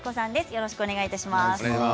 よろしくお願いします。